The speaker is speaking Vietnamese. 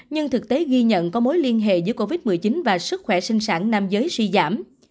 nhưng thực tế ghi nhận có mối liên hệ giữa covid một mươi chín và sức khỏe sinh sản nam giới suy giảm